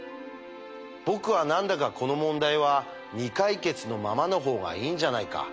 僕は何だかこの問題は未解決のままの方がいいんじゃないか。